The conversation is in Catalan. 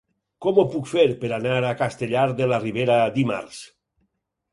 Com ho puc fer per anar a Castellar de la Ribera dimarts?